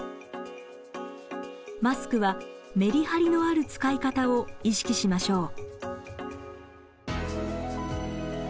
マスクはメリハリのある使い方を意識しましょう。